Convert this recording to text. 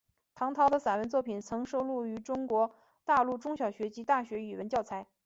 唐弢的散文作品曾收录于中国大陆中小学及大学语文教材。